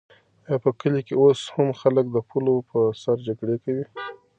آیا په کلي کې اوس هم خلک د پولو په سر جګړې کوي؟